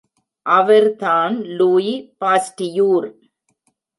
அவர்தான் Louis Pasteur!